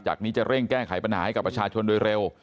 นี้จะเร่งแก้ไขปัญหาให้กับประชาชนโดยเร็ว